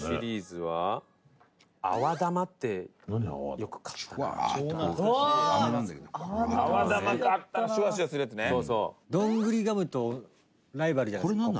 横尾：どんぐりガムとライバルじゃないですか？